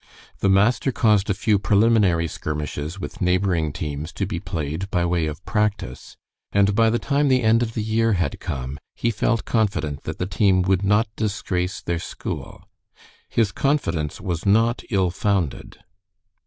The master caused a few preliminary skirmishes with neighboring teams to be played by way of practice, and by the time the end of the year had come, he felt confident that the team would not disgrace their school. His confidence was not ill founded.